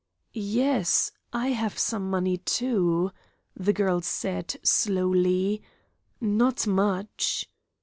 "Yes? I have some money, too," the girl said, slowly. "Not much."